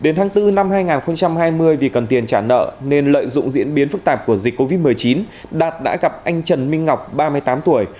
đến tháng bốn năm hai nghìn hai mươi vì cần tiền trả nợ nên lợi dụng diễn biến phức tạp của dịch covid một mươi chín đạt đã gặp anh trần minh ngọc ba mươi tám tuổi